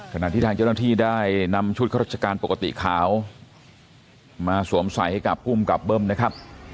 ขณะที่ทางเจ้าหน้าที่ได้นำชุดข้าราชการปกติขาวมาสวมใส่ให้กับภูมิกับเบิ้มนะครับ